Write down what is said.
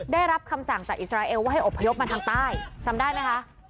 ได้รับคำสั่งจากอิสราเอลว่าให้อบพยพมาทางใต้จำได้ไหมคะ